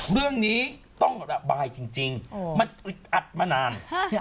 เรื่องนี้ต้องระบายจริงมันอึดอัดมานาน